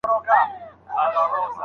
زه د خپلو کالیو په پاک ساتلو بوخت یم.